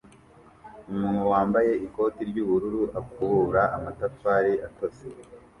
Umuntu wambaye ikoti ry'ubururu akubura amatafari atose